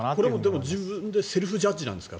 でも、自分でセルフジャッジなんですか。